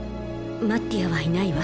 マッティアはいないわ。